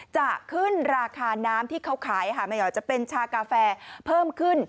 จะขึ้นราคาน้ำที่เขาขายจะเป็นชากาแฟเพิ่มขึ้น